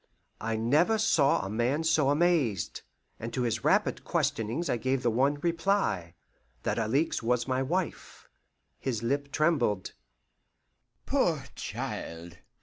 I never saw a man so amazed; and to his rapid questionings I gave the one reply, that Alixe was my wife. His lip trembled. "Poor child!